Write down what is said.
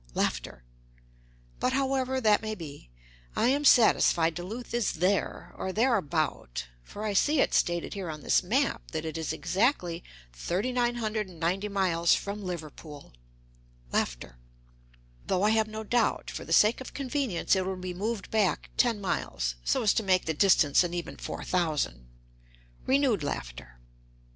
But, however that may be, I am satisfied Duluth is there, or thereabout, for I see it stated here on this map that it is exactly thirty nine hundred and ninety miles from Liverpool, though I have no doubt, for the sake of convenience, it will be moved back ten miles, so as to make the distance an even four thousand. (Renewed laughter.)